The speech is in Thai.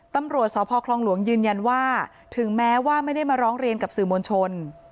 ตำรวจสพคลองหลวงยืนยันว่าถึงแม้ว่าไม่ได้มาร้องเรียนกับสื่อมวลชน